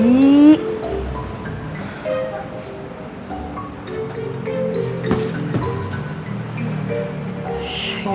ya udah gue balik